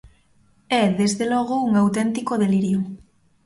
É, desde logo, un auténtico delirio.